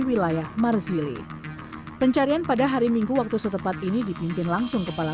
wilayah marzili pencarian pada hari minggu waktu setempat ini dipimpin langsung kepala